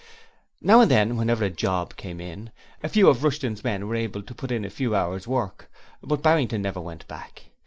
Now and then, whenever a 'job' 'came in', a few of Rushton's men were able to put in a few hours' work, but Barrington never went back.